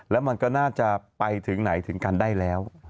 แล้วมันก็น่าจะไปถึงไหนถึงกันได้แล้ว